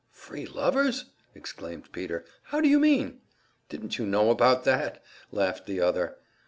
"Free lovers!" exclaimed Peter. "How do you mean?" "Didn't you know about that?" laughed the other.